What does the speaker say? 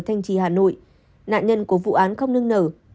nạn nhân của vụ án không nương nở